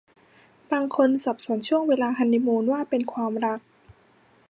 บางคนสับสนช่วงเวลาฮันนีมูนว่าเป็นความรัก